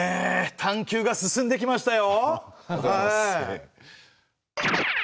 探究が進んできましたよ。